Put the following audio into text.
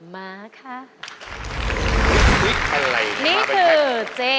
มีบุตร